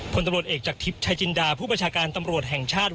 ผลตำรวจเอกจากทิพย์ชายจินดาผู้ประชาการตำรวจแห่งชาติ